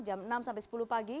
jam enam sampai sepuluh pagi